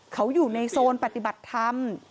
เขาอยู่ในโซนปฏิบัติธรรม